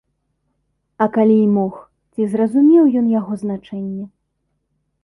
А калі і мог, ці зразумеў ён яго значэнне?